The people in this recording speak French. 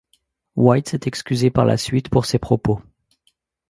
White s'est excusé par la suite pour ses propos.